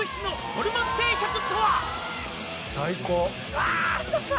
うわ！